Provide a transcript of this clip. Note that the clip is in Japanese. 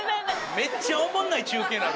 めっちゃおもんない中継になる。